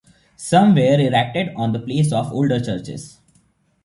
Some were erected on the place of older churches.